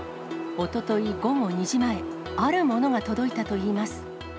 おととい午後２時前、あるものが届いたといいます。